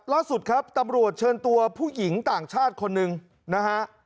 ล่าสุดครับตำรวจเชิญตัวผู้หญิงต่างชาติคนหนึ่งนะฮะ